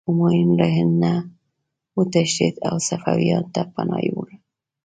همایون له هند نه وتښتېد او صفویانو ته پناه یووړه.